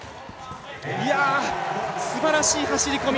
すばらしい走り込み。